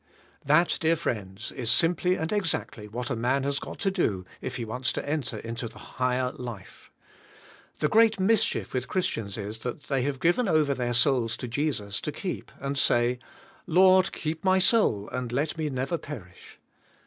That, dear friends, is simply and exactly what a man has g^ot to do if he wants to enter into the hig her life. The great mischief with Christians is, that they have given over their souls to Jesus to keep and say, '*L<ord, keep my soul and let me never perish."